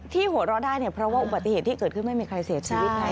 หัวเราะได้เนี่ยเพราะว่าอุบัติเหตุที่เกิดขึ้นไม่มีใครเสียชีวิตไง